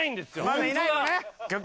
まだいないのね。